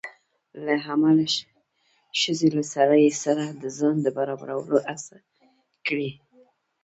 له امله ښځې له سړي سره د ځان د برابرولو هڅه کړې